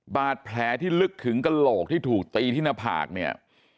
บาดแผลที่ลึกถึงกระโหลกที่ถูกตีที่หน้าผากเนี่ย